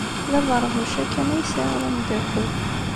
D abeṛhuc-a kan ay sɛiɣ d ameddakel.